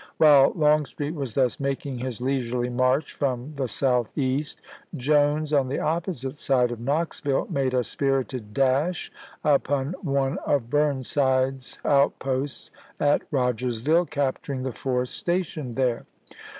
While Longstreet was thus making his leisurely march from the Southeast, Jones, on the opposite side of Knoxville, made a spirited dash upon one of Burnside's outposts at Rogersville, capturing the force stationed there.